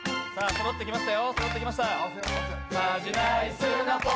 そろってきました。